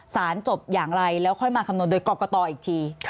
จบอย่างไรแล้วค่อยมาคำนวณโดยกรกตอีกที